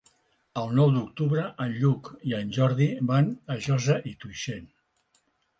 El nou d'octubre en Lluc i en Jordi van a Josa i Tuixén.